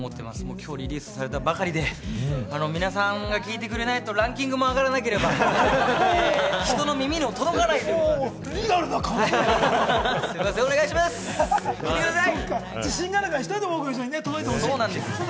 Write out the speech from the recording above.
きょうリリースされたばかりで、皆さんが聴いてくれないとランキングも上がらなければ、人の耳にリアルな感想。お願いします、聴いてください。